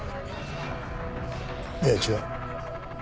いや違う。